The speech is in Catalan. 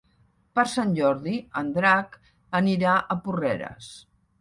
Per Sant Jordi en Drac anirà a Porreres.